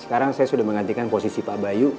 sekarang saya sudah menggantikan posisi pak bayu